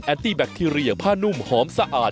ตี้แบคทีเรียผ้านุ่มหอมสะอาด